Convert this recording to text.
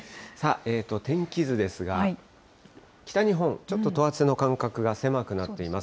天気図ですが、北日本、ちょっと等圧線の間隔が狭くなっています。